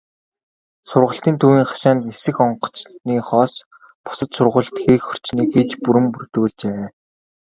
Сургалтын төвийн хашаанд нисэх онгоцныхоос бусад сургуулилалт хийх орчныг иж бүрэн бүрдүүлжээ.